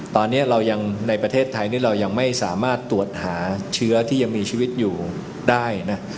ตอนนี้เรายังในประเทศไทยนี่เรายังไม่สามารถตรวจหาเชื้อที่ยังมีชีวิตอยู่ได้นะ